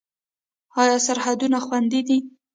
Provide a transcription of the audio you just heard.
آیا سرحدونه خوندي دي؟